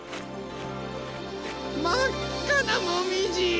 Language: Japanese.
まっかなもみじ！